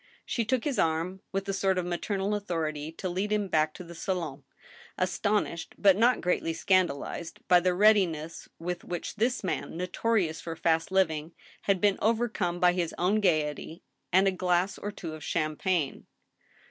She took his arm, with a sort of maternal authority, to lead him back to the sahn, astonished, but not greatly scandalized, by the readiness with which this man, notorious for fast living, had been overcome by his own gayety and a glass or two of champagne.